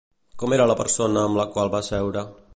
Com era la persona amb la qual va seure?